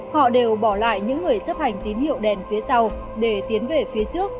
họ đều bỏ lại những người chấp hành tín hiệu đèn phía sau để tiến về phía trước